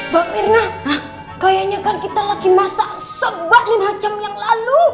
tuh mirna kayaknya kan kita lagi masak sebaik lima jam yang lalu